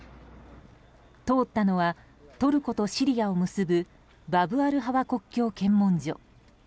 通ったのはトルコとシリアを結ぶバブアルハワ国境検問所。